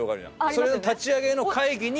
それの立ち上げの会議に携わった。